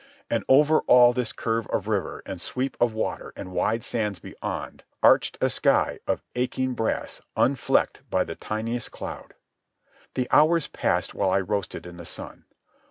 And over all this curve of river and sweep of water and wide sands beyond arched a sky of aching brass unflecked by the tiniest cloud. The hours passed while I roasted in the sun.